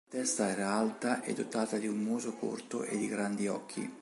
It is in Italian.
La testa era alta e dotata di un muso corto e di grandi occhi.